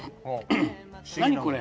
何これ？」。